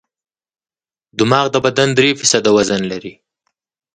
دماغ د بدن درې فیصده وزن لري.